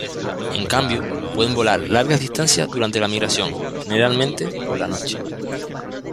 En cambio, pueden volar largas distancias durante la migración, generalmente por la noche.